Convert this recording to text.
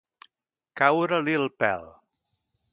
Caure-li el pèl.